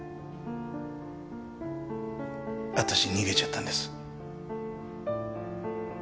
私逃げちゃったんです。